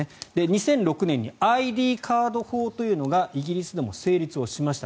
２００６年にＩＤカード法というのがイギリスでも成立しました。